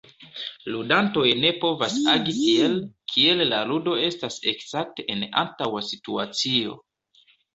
Ludantoj ne povas agi tiel, kiel la ludo estas ekzakte en antaŭa situacio.